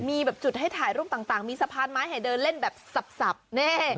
มีแบบจุดให้ถ่ายรูปต่างมีสะพานไม้ให้เดินเล่นแบบสับแน่